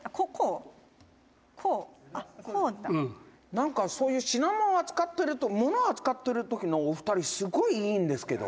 「なんか、そういう品物を扱ってると物を扱ってる時のお二人すごい、いいんですけど」